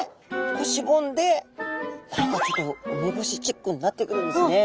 こうしぼんで何かちょっとウメボシチックになってくるんですね。